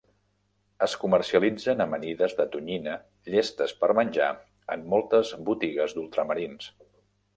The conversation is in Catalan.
Es comercialitzen amanides de tonyina llestes per menjar en moltes botigues d'ultramarins.